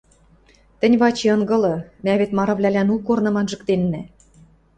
Тӹнь, Вачи, ынгылы, мӓ вет марывлӓлӓн у корным анжыктеннӓ